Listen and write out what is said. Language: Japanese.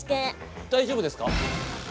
大丈夫ですか？